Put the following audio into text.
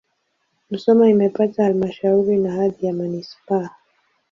Musoma imepata halmashauri na hadhi ya manisipaa.